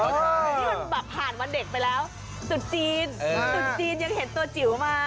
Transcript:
แต่นี่มันแบบผ่านวันเด็กไปแล้วจุดจีนจุดจีนยังเห็นตัวจิ๋วมา